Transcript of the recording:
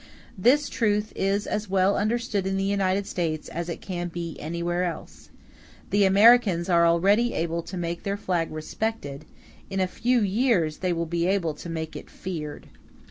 This truth is as well understood in the United States as it can be anywhere else: the Americans are already able to make their flag respected; in a few years they will be able to make it feared.